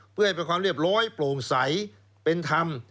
เพื่อให้เป็นความเรียบร้อยโปร่งใสเป็นธรรม